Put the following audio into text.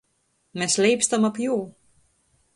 Mes leipstam ap jū.